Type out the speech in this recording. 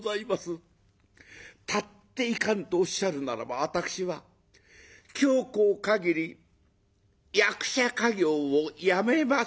たっていかぬとおっしゃるならばわたくしは向後限り役者稼業をやめまする」。